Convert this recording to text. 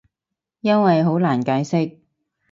因為好難解釋